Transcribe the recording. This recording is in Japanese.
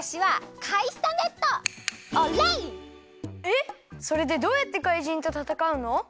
えっそれでどうやってかいじんとたたかうの？